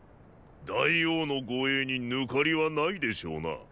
大王の護衛に抜かりはないでしょうな。